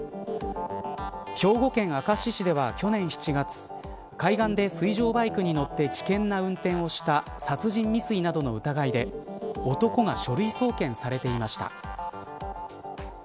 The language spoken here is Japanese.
兵庫県明石市では去年７月海岸で水上バイクに乗って危険な運転をした殺人未遂などの疑いで男が書類送検されていました。